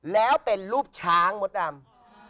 แล้วเป็นรูปช้างมดดำ